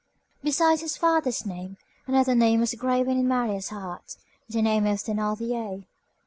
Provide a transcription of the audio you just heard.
Besides his father's name, another name was graven in Marius' heart, the name of Thénardier.